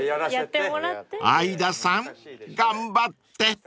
［相田さん頑張って］